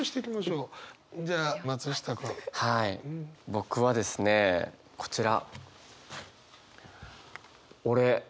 僕はですねこちら。